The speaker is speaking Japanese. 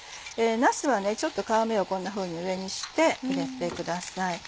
なすは皮目をこんなふうに上にして入れてください。